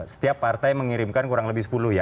setiap partai mengirimkan kurang lebih sepuluh ya